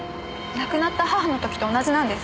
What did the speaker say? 亡くなった母の時と同じなんです。